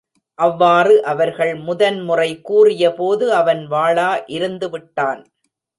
அவ்வாறு அவர்கள் முதன் முறை கூறியபோது அவன் வாளா இருந்து விட்டான்.